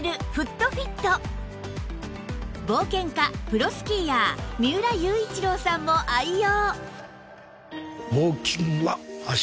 冒険家プロスキーヤー三浦雄一郎さんも愛用！